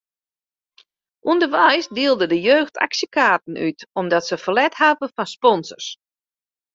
Underweis dielde de jeugd aksjekaarten út omdat se ferlet hawwe fan sponsors.